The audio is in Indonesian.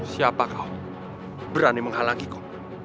siapa kau berani menghalangiku